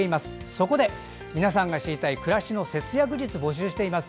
そこで、皆さんが知りたい暮らしの節約術を募集しています。